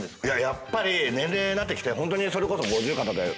やっぱり年齢なってきてホントにそれこそ。